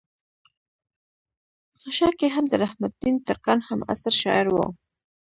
خشاکے هم د رحم الدين ترکاڼ هم عصر شاعر وو